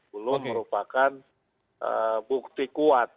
belum merupakan bukti kuat